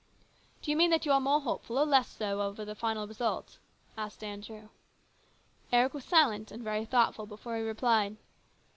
" Do you mean that you are more hopeful or less so over the final result ?" asked Andrew. Eric was silent and very thoughtful before he replied.